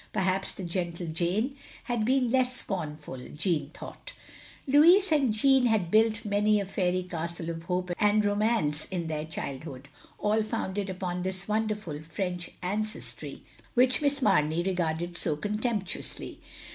Perhaps the "gentle Jane" had been less scornful, Jeanne thought. Louis and Jeanne had built many a fairy castle of hope and romance in their childhood, all founded upon this wonderful French ancestry \ 38 THE LONELY LADY which Miss Mamey regarded so contemptuously.